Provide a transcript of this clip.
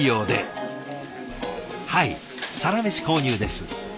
はいサラメシ購入です。